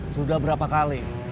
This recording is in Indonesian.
sudah berapa kali